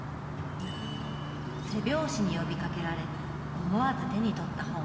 背表紙に呼びかけられ思わず手に取った本。